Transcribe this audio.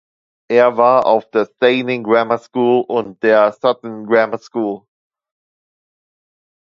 Er war auf der Steyning Grammar School und der Sutton Grammar School.